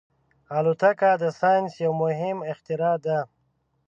الوتکه د ساینس یو مهم اختراع ده.